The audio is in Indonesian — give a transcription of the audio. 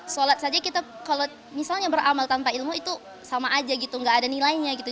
sholat saja kita kalau misalnya beramal tanpa ilmu itu sama aja gitu nggak ada nilainya gitu